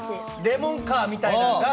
レモンカーみたいなんが。